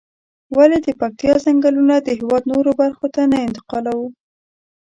ولې د پکتيا ځنگلونه د هېواد نورو برخو ته نه انتقالوو؟